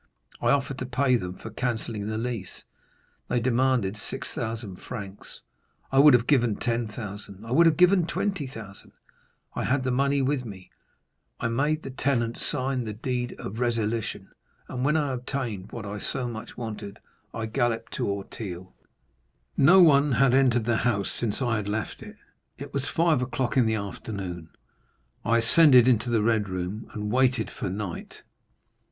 I offered to pay them for cancelling the lease; they demanded 6,000 francs. I would have given 10,000—I would have given 20,000. I had the money with me; I made the tenant sign the deed of resilition, and when I had obtained what I so much wanted, I galloped to Auteuil. No one had entered the house since I had left it. "It was five o'clock in the afternoon; I ascended into the red room, and waited for night.